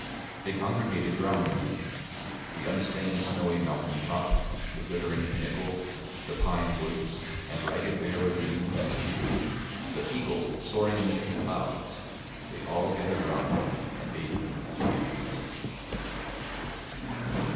They congregated round me; the unstained snowy mountain top, the glittering pinnacle, the pine woods, and ragged bare ravine, the eagle, soaring amidst the clouds—they all gathered round me and bade me be at peace.